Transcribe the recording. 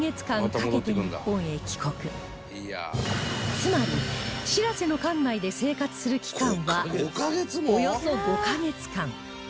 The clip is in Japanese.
つまり「しらせ」の艦内で生活する期間はおよそ５カ月間